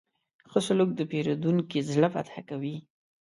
ښه سلوک د پیرودونکي زړه فتح کوي.